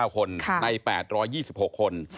๙คนใน๘๒๖คน